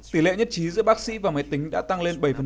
tỷ lệ nhất trí giữa bác sĩ và máy tính đã tăng lên bảy